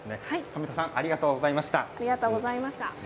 上戸さんありがとうございました。